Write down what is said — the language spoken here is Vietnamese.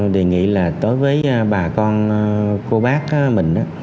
đề nghị là đối với bà con cô bác mình á